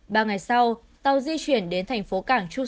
ba ngày sau tàu di chuyển đến thành phố cảng chu